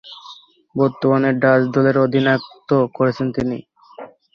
বর্তমানে ডাচ দলের অধিনায়কত্ব করছেন তিনি।